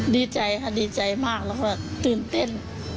ดีใจค่ะดีใจมากแล้วก็ตื่นเต้น